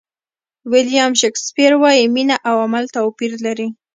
ویلیام شکسپیر وایي مینه او عمل توپیر لري.